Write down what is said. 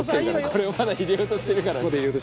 「これをまだ入れようとしてるから」